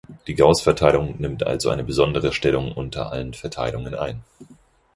Die Gauß-Verteilung nimmt also eine besondere Stellung unter allen Verteilungen ein.